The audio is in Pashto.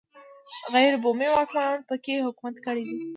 غیر بومي واکمنانو په کې حکومت کړی دی